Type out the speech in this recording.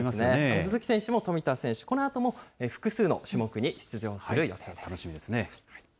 鈴木選手も富田選手も、このあとも複数の種目に出場する予定楽しみですね。